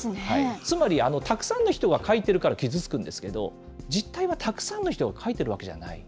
つまりたくさんの人が書いているから傷つくんですけど、実態はたくさんの人が書いてるわけじゃない。